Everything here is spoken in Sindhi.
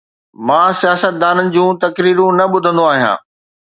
مان سياستدانن جون تقريرون نه ٻڌندو آهيان.